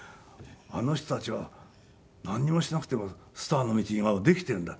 あの人たちはなんにもしなくてもスターの道ができているんだ。